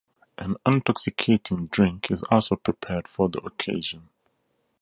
An intoxicating drink is also prepared for the occasion.